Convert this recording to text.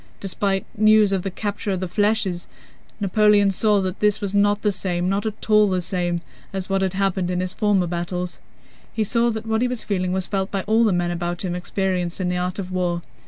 Despite news of the capture of the flèches, Napoleon saw that this was not the same, not at all the same, as what had happened in his former battles. He saw that what he was feeling was felt by all the men about him experienced in the art of war.